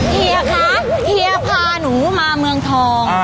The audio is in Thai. เฮียคะเฮียพาหนูมาเมืองทอง